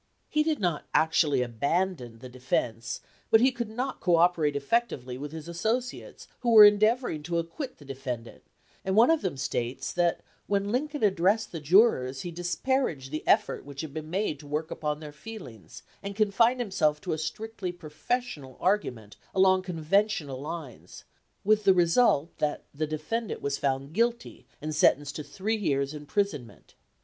He did not actually abandon the defense, but he could not cooperate effectively with his associates, who were endeav oring to acquit the defendant, and one of them states that when Lincoln addressed the jurors he disparaged the effort which had been made to work upon their feelings and confined himself to a strictly professional argument along conven tional lines, with the result that the defendant was found guilty and sentenced to three years' imprisonment.